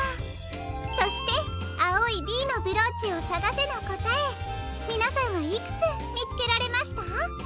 そして「あおい『Ｂ』のブローチをさがせ！」のこたえみなさんはいくつみつけられました？